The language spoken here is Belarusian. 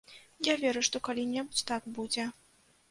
Я веру, што калі-небудзь так будзе.